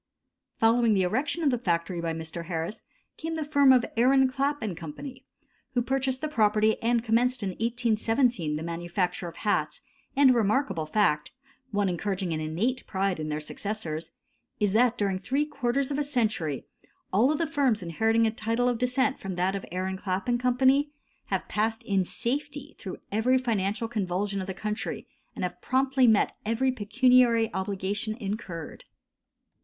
Following the erection of the factory by Mr. Harris came the firm of Aaron Clap & Co., who purchased the property and commenced in 1817 the manufacture of hats, and a remarkable fact one encouraging an innate pride in their successors is that during three quarters of a century all of the firms inheriting a title of descent from that of Aaron Clap & Co. have passed in safety through every financial convulsion of the country, and have promptly met every pecuniary obligation incurred.